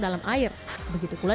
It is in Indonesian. lalu mentega juga berwarna kuning